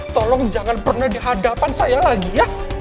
tolong jangan pernah di hadapan saya lagi ya